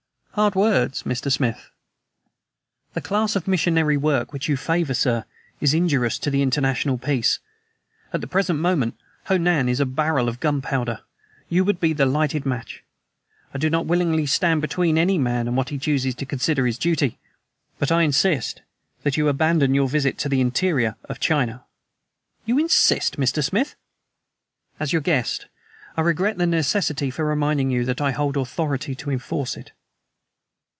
"Hard words, Mr. Smith." "The class of missionary work which you favor, sir, is injurious to international peace. At the present moment, Ho Nan is a barrel of gunpowder; you would be the lighted match. I do not willingly stand between any man and what he chooses to consider his duty, but I insist that you abandon your visit to the interior of China!" "You insist, Mr. Smith?" "As your guest, I regret the necessity for reminding you that I hold authority to enforce it."